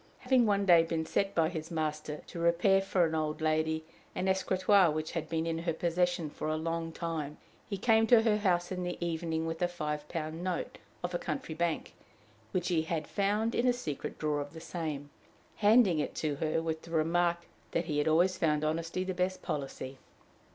Having one day been set by his master to repair for an old lady an escritoire which had been in her possession for a long time, he came to her house in the evening with a five pound note of a country bank, which he had found in a secret drawer of the same, handing it to her with the remark that he had always found honesty the best policy.